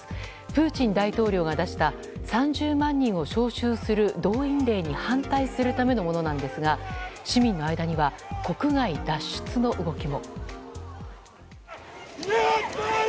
プーチン大統領が出した３０万人を招集する動員令に反対するためのものなんですが市民の間には国外脱出の動きも。